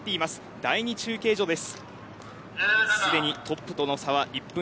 第２中継所です。